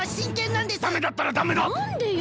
なんでよ？